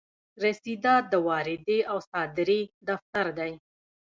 رسیدات د واردې او صادرې دفتر دی.